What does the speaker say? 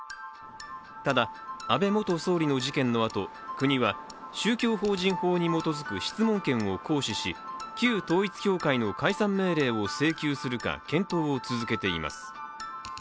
ただ、安倍元総理の事件のあと、国は宗教法人法に基づく質問権を行使し旧統一教会の解散命令を請求するか検討を続けています。